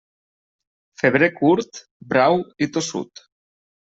Febrer curt, brau i tossut.